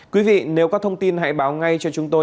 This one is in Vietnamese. quý vị nếu có thông tin hãy báo ngay cho chúng tôi